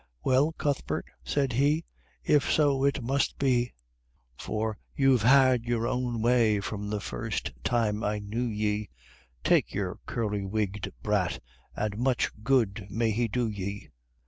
"Well, Cuthbert," said he, "If so it must be, For you've had your own way from the first time I knew ye; Take your curly wigged brat, and much good may he do ye!